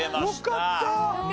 よかった。